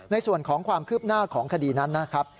ในส่วนของความคืบหน้าของคดีนั้นนะครับ